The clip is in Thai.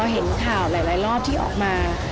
เห็นข่าวหลายรอบที่ออกมา